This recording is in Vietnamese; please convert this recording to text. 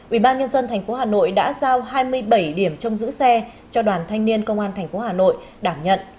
ubnd tp hà nội đã giao hai mươi bảy điểm trong giữ xe cho đoàn thanh niên công an tp hà nội đảm nhận